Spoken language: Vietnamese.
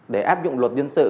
để áp dụng luật dân sự